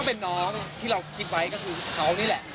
เป็นน้องที่เราคิดไว้ก็คือเขานี่แหละ